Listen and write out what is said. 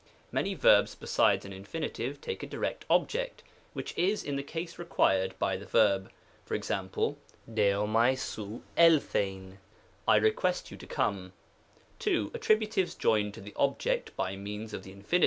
Many verbs besides an Infin. take a direct object, which is in the case required by the verb. Ex.^ dsojuai 60V hXd^uv^ " I request you to come." 2. Attributives joined to the object by means of the Infin.